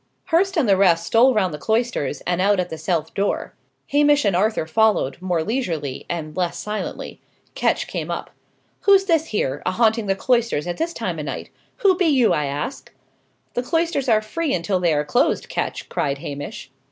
Hurst and the rest stole round the cloisters, and out at the south door. Hamish and Arthur followed, more leisurely, and less silently. Ketch came up. "Who's this here, a haunting the cloisters at this time o' night? Who be you, I ask?" "The cloisters are free until they are closed, Ketch," cried Hamish.